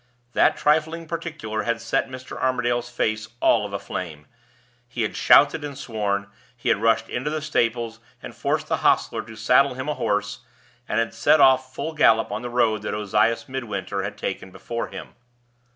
That trifling particular had set Mr. Armadale's face all of a flame; he had shouted and sworn; he had rushed into the stables; and forced the hostler to saddle him a horse, and had set off full gallop on the road that Ozias Midwinter had taken before him.